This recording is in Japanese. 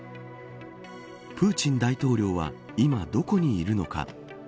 プーチン大統領は今どこにいるのか。